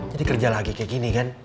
jadi kerja lagi kayak gini kan